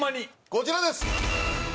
こちらです。